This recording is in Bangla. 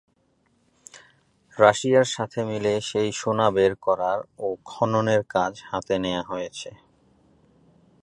রাশিয়ার সাথে মিলে সেই সোনা বের করার ও খননের কাজ হাতে নেওয়া হয়েছে।